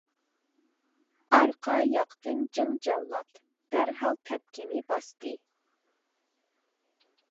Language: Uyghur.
ئارقا ياقتىن جىڭ جاللات، دەرھال تەپكىنى باستى.